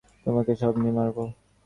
তোমাকে সময় নিয়ে মারবো।